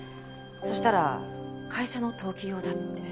そしたら会社の登記用だって。